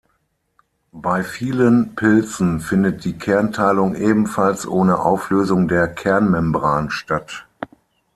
Bei vielen Pilzen findet die Kernteilung ebenfalls ohne Auflösung der Kernmembran statt.